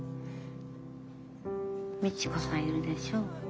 ミチコさんいるでしょ。